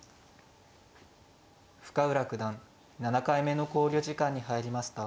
深浦九段７回目の考慮時間に入りました。